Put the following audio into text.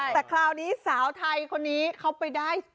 แต่คราวนี้สาวไทยคนนี้เขาไปได้